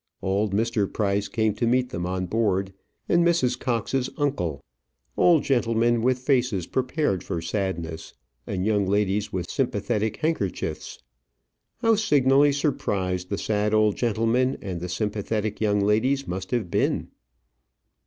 Old Mr. Price came to meet them on board, and Mrs. Cox's uncle; old gentlemen with faces prepared for sadness, and young ladies with sympathetic handkerchiefs. How signally surprised the sad old gentlemen and the sympathetic young ladies must have been!